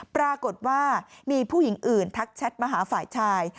ปรากฏว่ามีผู้หญิงอื่นทักแชทมาหาฝ่ายชาย